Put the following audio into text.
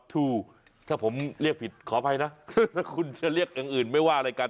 ถูกถ้าผมเรียกผิดขออภัยนะถ้าคุณจะเรียกอย่างอื่นไม่ว่าอะไรกัน